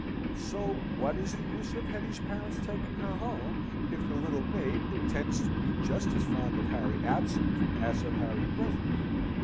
So, what is the use of Hetty's parents taking her home, if the little maid intends to be just as fond of Harry absent as of Harry present?